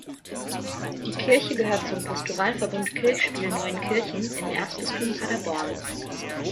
Die Kirche gehört zum Pastoralverbund Kirchspiel Neuenkirchen im Erzbistum Paderborn.